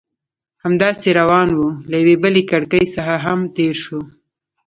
همداسې روان وو، له یوې بلې کړکۍ څخه هم تېر شوو.